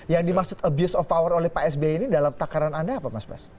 yang dimaksud abuse of power oleh pak sby ini dalam takaran anda apa mas bas